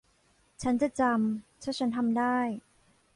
ฉันจะจำ ถ้าฉันทำได้